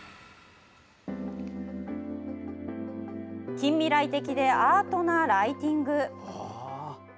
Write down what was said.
近未来的でアートなライティング。